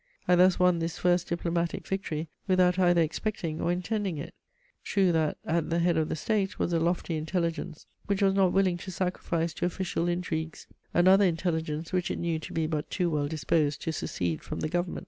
I thus won this first diplomatic victory without either expecting or intending it; true that, at the head of the State, was a lofty intelligence, which was not willing to sacrifice to official intrigues another intelligence which it knew to be but too well disposed to secede from the government.